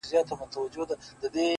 • په پردي جنگ كي بايللى مي پوستين دئ ,